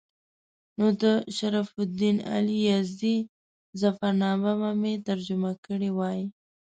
نو د شرف الدین علي یزدي ظفرنامه به مې ترجمه کړې وای.